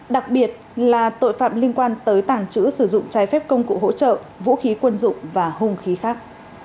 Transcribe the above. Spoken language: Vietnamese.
đặc biệt là tội phạm liên quan tới tàng trữ sử dụng trái phép công cụ hỗ trợ vũ khí quân dụng và hung khí khác